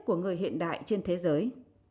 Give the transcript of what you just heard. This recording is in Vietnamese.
của người hiện đại trên thế giới